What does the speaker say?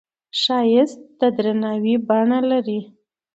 ښایست د درناوي بڼه لري